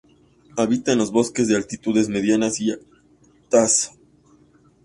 Habita en los bosques de altitudes medianas y altas.